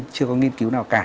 chưa có nghiên cứu nào cả